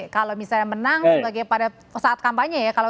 kalau misalnya menang sebagai pada saat kampanye ya